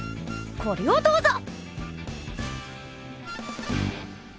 これをどうぞ！